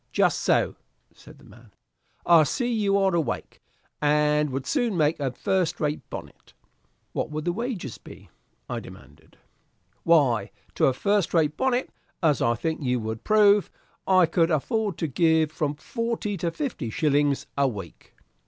"Just so," said the man; "I see you are awake, and would soon make a first rate bonnet." "What would the wages be?" I demanded. "Why, to a first rate bonnet, as I think you would prove, I could afford to give from forty to fifty shillings a week."